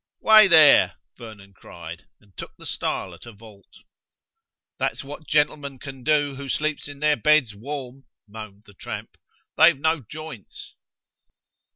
"Way there!" Vernon cried, and took the stile at a vault. "That's what gentlemen can do, who sleeps in their beds warm," moaned the tramp. "They've no joints."